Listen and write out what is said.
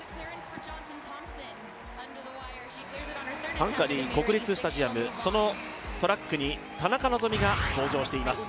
ハンガリー国立スタジアム、そのトラックに田中希実が登場しています。